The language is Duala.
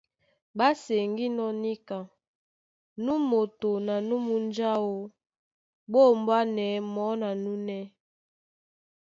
Ɓá seŋgínɔ́ níka nú moto na nú munja áō ɓá ombwanɛ̌ mɔɔ́ na núnɛ́.